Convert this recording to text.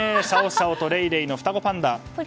シャオシャオとレイレイの双子パンダ。